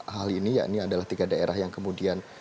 hal ini yakni adalah tiga daerah yang kemudian